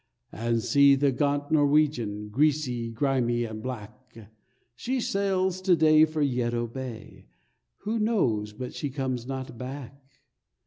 And see that gaunt Norwegian, Greasy, grimy and black— She sails today for Yeddo Bay; Who knows but she comes not back?